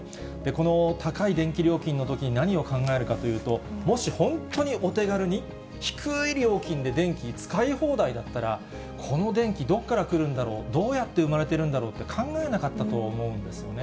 この高い電気料金のときに何を考えるかというと、もし本当にお手軽に低い料金で電気使い放題だったら、この電気、どこから来るんだろう、どうやって生まれてるんだろうって考えなかったと思うんですよね。